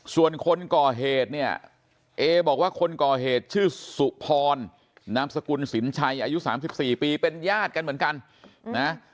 ส่วนคนก่อเหตุเนี่ยเอบอกว่าคนก่อเหตุชื่อสุพรนามสกุลสินชัยอายุ๓๔ปีเป็นญาติกันเหมือนกันนะ